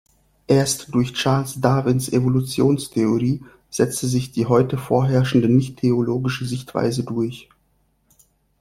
Erst durch Charles Darwins Evolutionstheorie setzte sich die heute vorherrschende nicht-teleologische Sichtweise durch.